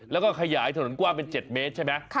แล้วก็ขยายถนนกว้างเป็น๗เมตรใช่ไหม